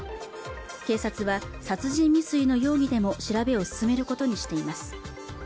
警察は殺人未遂の容疑でも調べを進めることにしています